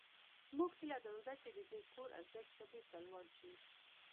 موږ هیله درلوده چې د دې کور ارزښت به بیرته لوړ شي